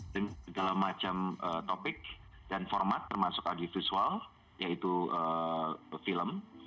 segala macam topik dan format termasuk aggi visual yaitu film